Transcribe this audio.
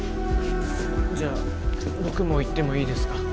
じゃあ僕も行ってもいいですか